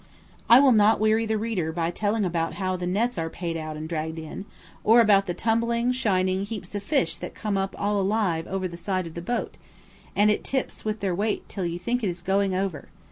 I will not weary the reader by telling about how the nets are paid out and dragged in, or about the tumbling, shining heaps of fish that come up all alive over the side of the boat, and it tips up with their weight till you think it is going over.